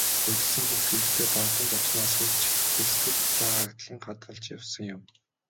Будилсан бүх хэрэгтээ бантан зовсноос хэнд ч хэлэхгүй, сэтгэл дотроо агдлан хадгалж явсан юм.